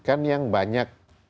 kan yang banyak